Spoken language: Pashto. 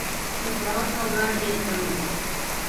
پر پلار اولاد ډېر ګران وي